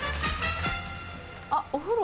あっお風呂。